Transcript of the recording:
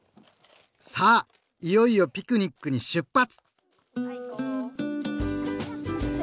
さあいよいよピクニックに出発！